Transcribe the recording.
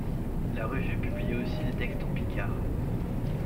La revue publiait aussi des textes en picard.